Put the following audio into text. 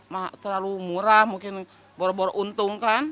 mah terlalu murah mungkin bor bor untung kan